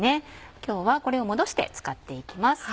今日はこれをもどして使っていきます。